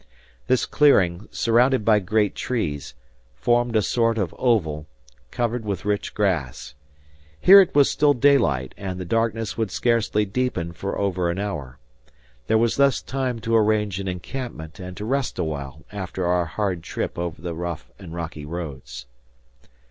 This clearing, surrounded by great trees, formed a sort of oval, covered with rich grass. Here it was still daylight, and the darkness would scarcely deepen for over an hour. There was thus time to arrange an encampment and to rest awhile after our hard trip over the rough and rocky roads.